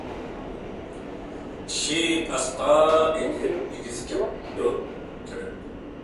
ئىشىك ئاستا ئېچىلىپ، ئىگىسى كەپتۇ كىرىپ.